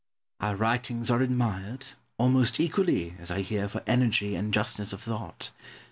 Our writings are admired, almost equally (as I hear) for energy and justness of thought.